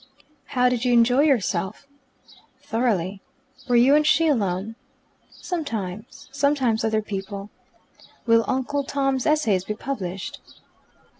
"How did you enjoy yourself?" "Thoroughly." "Were you and she alone?" "Sometimes. Sometimes other people." "Will Uncle Tony's Essays be published?"